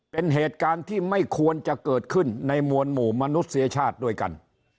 เป็นเหตุการณ์ที่ไม่ควรจะเกิดขึ้นในมวลหมู่มนุษยชาติด้วยกัน